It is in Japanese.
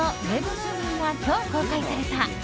ムービーが今日、公開された。